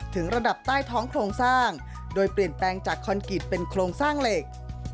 ถึงระดับใต้ท้องโครงสร้างโดยเปลี่ยนแปลงจากคอนกิตเป็นโครงสร้างเหล็ก